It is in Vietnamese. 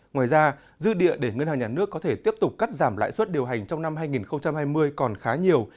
ngoài ra dư địa để ngân hàng nhà nước có thể tiếp tục cắt giảm lãi suất điều hành trong năm hai nghìn hai mươi còn khá nhiều